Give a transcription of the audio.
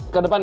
ke depan ya